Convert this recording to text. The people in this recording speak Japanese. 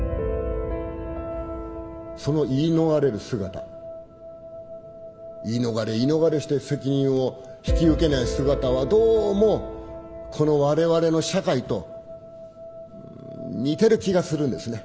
その言い逃れる姿言い逃れ言い逃れして責任を引き受けない姿はどうもこの我々の社会と似てる気がするんですね。